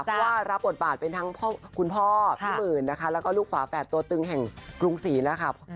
เพราะว่ารับบทบาทเป็นทั้งคุณพ่อพี่หมื่นนะคะแล้วก็ลูกฝาแฝดตัวตึงแห่งกรุงศรีนะคะ